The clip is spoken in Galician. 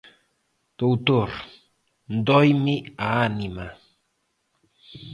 _Doutor, dóeme a ánima.